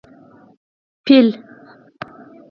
🐘 فېل